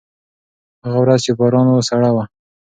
هغه ورځ چې باران و، سړه وه.